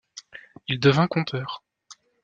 Il devient conteur.